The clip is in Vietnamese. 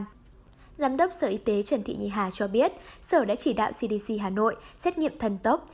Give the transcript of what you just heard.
giám đốc sở y tế trần thị nhì hà cho biết sở đã chỉ đạo cdc hà nội xét nghiệm thần tốc